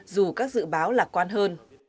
dù các dự báo lạc quan hơn